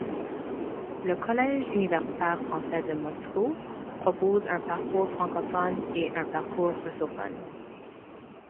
Le collège universitaire français de Moscou propose un parcours francophone et un parcours russophone.